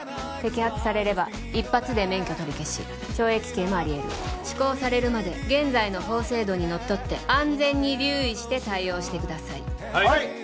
摘発されれば一発で免許取り消し懲役刑もあり得る施行されるまで現在の法制度にのっとって安全に留意して対応してください